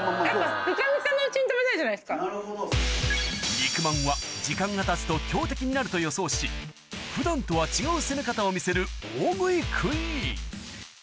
肉まんは時間がたつと強敵になると予想し普段とは違う攻め方を見せる大食いクイーン・うわすごいな・